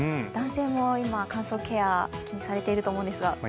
男性も今、乾燥ケア、気にされていると思うんですが？